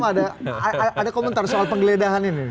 mas tama ada komentar soal penggeledahan ini